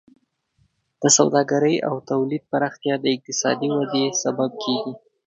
د سوداګرۍ او تولید پراختیا د اقتصادي وده سبب کیږي.